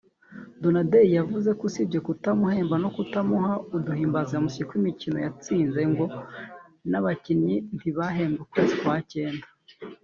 Donadei yavuze ko usibye kutamuhemba no kutamuha uduhimbazamusyi tw’imikino yatsinze ngo n’abakinnyi ntibahembwe ukwezi kwa cyenda